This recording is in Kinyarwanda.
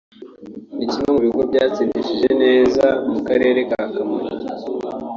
ni kimwe mu bigo byatsindishije neza mu Karere ka Kamonyi